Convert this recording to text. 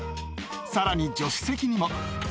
さらに助手席にも。